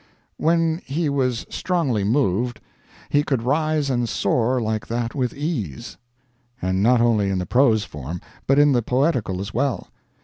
When he was strongly moved he could rise and soar like that with ease. And not only in the prose form, but in the poetical as well.